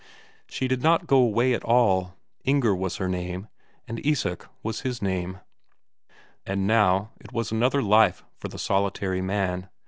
She did not go away at all. Inger was her name. And Isak was his name. And now it was another life for the solitary man.